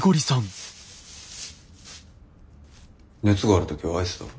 熱がある時はアイスだろ？